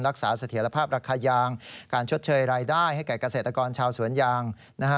รักษาเสถียรภาพราคายางการชดเชยรายได้ให้กับเกษตรกรชาวสวนยาง